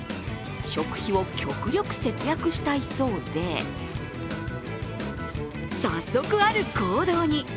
食費を極力節約したいそうで早速、ある行動に。